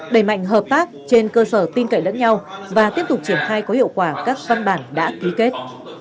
đẩy mạnh hợp tác trên cơ sở tin cậy lẫn nhau và tiếp tục triển khai có hiệu quả các văn bản đã ký kết